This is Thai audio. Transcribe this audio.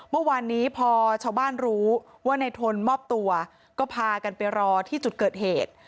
เมื่อวานนี้พอชาวบ้านรู้ว่าในทนมอบตัวก็พากันไปรอที่จุดเกิดเหตุ